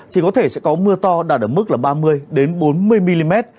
thì có thể sẽ có mưa to đạt ở mức là ba mươi bốn mươi mm